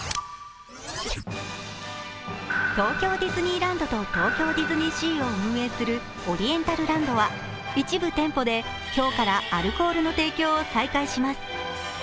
東京ディズニーランドと東京ディズニーシーを運営するオリエンタルランドは一部店舗で今日からアルコールの提供を開催します。